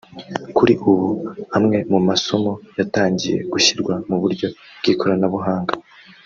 Kuri ubu amwe mu masomo yatangiye gushyirwa mu buryo bw’ikoranabuhanga